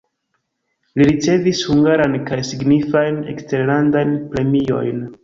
Li ricevis hungaran kaj signifajn eksterlandajn premiojn.